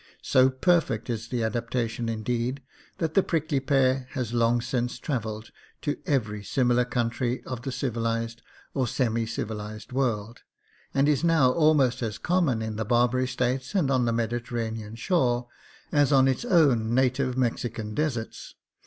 So perfect is the adaptation, indeed, that the prickly pear has long since travelled to every similar country of the civilized or semi civilized world, and is now almost as common in the Barbary States and on the Mediterranean shore as on its own native Mexican deserts.